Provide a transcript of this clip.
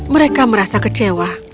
mereka merasa kecewa